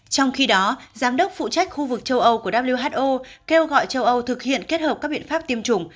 trong khi đó giám đốc phụ trách khu vực châu âu của who kêu gọi châu âu thực hiện kết hợp các biện pháp tiêm chủng